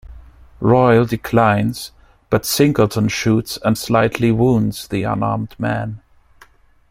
Royle declines, but Singleton shoots and slightly wounds the unarmed man.